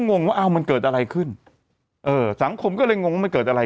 งงว่าอ้าวมันเกิดอะไรขึ้นเออสังคมก็เลยงงว่ามันเกิดอะไร